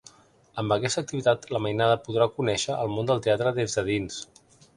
Amb aquesta activitat la mainada podrà conèixer el món del teatre des de dins.